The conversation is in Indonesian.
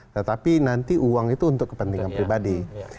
tetapi nanti uang itu untuk kepentingan pribadi